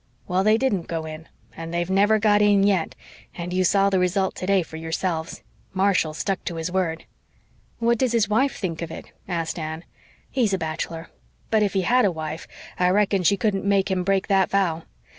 Well, they didn't go in and they've never got in yet and you saw the result today for yourselves. Marshall stuck to his word." "What does his wife think of it?" asked Anne. "He's a bachelor. But if he had a wife I reckon she couldn't make him break that vow.